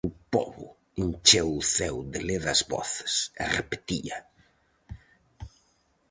O pobo encheu o ceo de ledas voces, e repetía: